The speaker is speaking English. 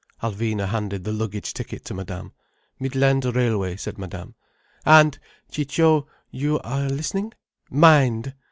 Alvina handed the luggage ticket to Madame. "Midland Railway," said Madame. "And, Ciccio, you are listening—? Mind!